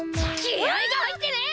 気合が入ってねえ！